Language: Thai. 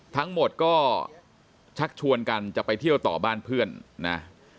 ทั้งหมดก็ชักชวนกันจะไปเที่ยวต่อบ้านเพื่อนนะ